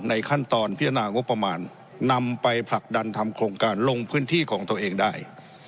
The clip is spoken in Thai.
ขั้นตอนพิจารณางบประมาณนำไปผลักดันทำโครงการลงพื้นที่ของตัวเองได้